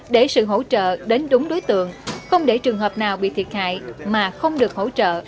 để sự hỗ trợ đến đúng đối tượng không để trường hợp nào bị thiệt hại mà không được hỗ trợ